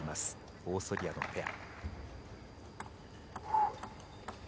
オーストリアのペア。